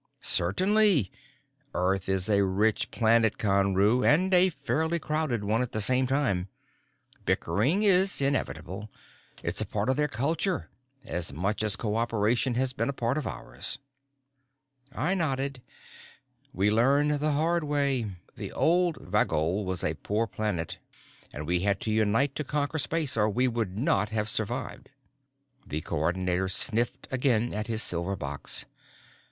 "Certainly. Earth is a rich planet, Conru, and a fairly crowded one at the same time. Bickering is inevitable. It's a part of their culture, as much as cooperation has been a part of ours." I nodded. "We learned the hard way. The old Valgol was a poor planet and we had to unite to conquer space or we could not have survived." The Coordinator sniffed again at his silver box.